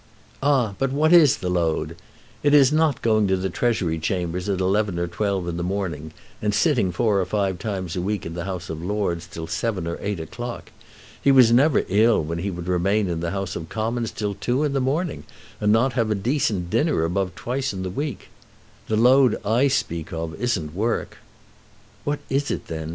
"Ah, but what is the load? It is not going to the Treasury Chambers at eleven or twelve in the morning, and sitting four or five times a week in the House of Lords till seven or eight o'clock. He was never ill when he would remain in the House of Commons till two in the morning, and not have a decent dinner above twice in the week. The load I speak of isn't work." "What is it then?"